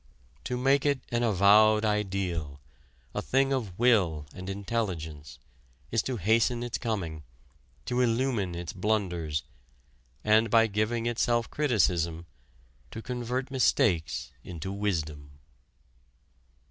To make it an avowed ideal a thing of will and intelligence is to hasten its coming, to illumine its blunders, and, by giving it self criticism, to convert mistakes into wisdom.